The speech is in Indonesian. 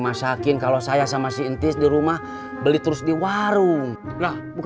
oke perihal dateng jangan possibil tank